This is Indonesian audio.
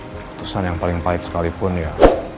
keputusan yang paling pahit sekalipun ya